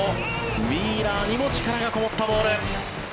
ウィーラーにも力のこもったボール。